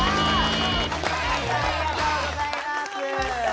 ありがとうございます。